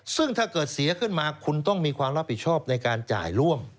ซึ่งถ้าเกิดเสียขึ้นมาคุณต้องมีความรับผิดชอบในการจ่ายร่วม